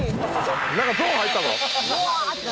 なんかゾーン入ったぞ！